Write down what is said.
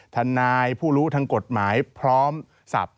ทนายผู้รู้ทางกฎหมายพร้อมศัพท์